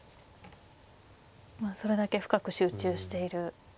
それだけ深く集中している。